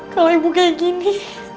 kalau ibu kayak gini